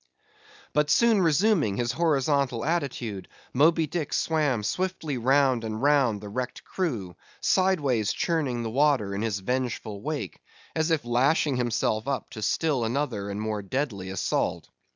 But soon resuming his horizontal attitude, Moby Dick swam swiftly round and round the wrecked crew; sideways churning the water in his vengeful wake, as if lashing himself up to still another and more deadly assault.